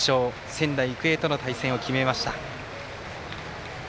仙台育英との対戦を決めました。